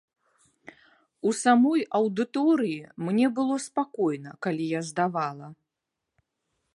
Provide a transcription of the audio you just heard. У самой аўдыторыі мне было спакойна, калі я здавала.